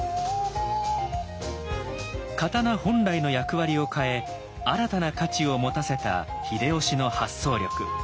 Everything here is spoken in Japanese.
刀本来の役割を変え新たな価値を持たせた秀吉の発想力。